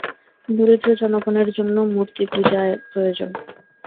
দরিদ্র জনগণের জন্য মূর্তিপূজা প্রয়োজন।